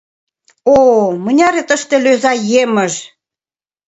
О-о, мыняре тыште лӧза емыж!